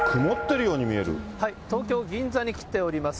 東京・銀座に来ております。